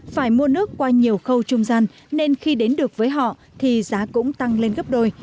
phải mua nước qua nhiều khâu trung gian nên khi đến được với họ thì giá cũng tăng lên gấp đôi